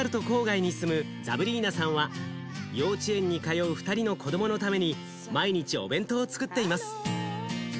郊外に住むザブリーナさんは幼稚園に通う２人の子どものために毎日お弁当をつくっています。